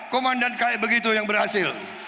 komandan kayak begitu yang berhasil